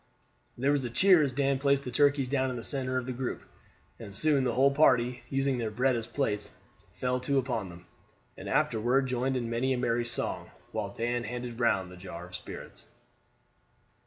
There was a cheer as Dan placed the turkeys down in the center of the group, and soon the whole party, using their bread as plates, fell to upon them, and afterward joined in many a merry song, while Dan handed round the jar of spirits.